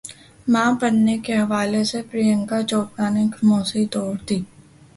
ماں بننے کے حوالے سے پریانکا چوپڑا نے خاموشی توڑ دی